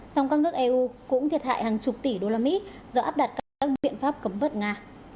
song các nước eu cũng thiệt hại hàng chục tỷ usd do áp đặt các biện pháp cấm vất nga